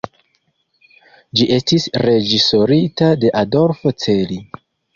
Ĝi estis reĝisorita de Adolfo Celi.